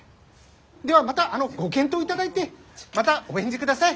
ではまたあのご検討いただいてまたお返事ください。